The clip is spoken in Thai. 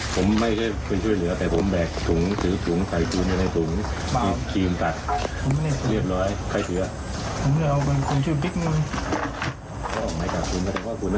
ผมอย่างนิดวัน